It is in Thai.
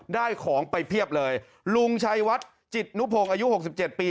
ได้ของไปเพียบเลยลุงชัยวัดจิตนุพงอายุ๖๗ปี